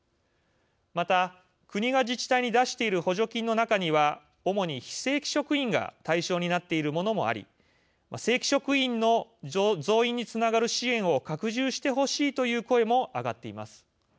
また、国が自治体に出している補助金の中には主に非正規職員が対象になっているものもあり正規職員の増員につながる支援を拡充してほしいという声も上がっています。